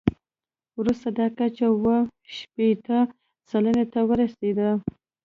وروسته دا کچه اووه شپېته سلنې ته ورسېده.